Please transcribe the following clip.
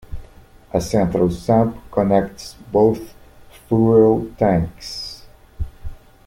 A central sump connects both fuel tanks.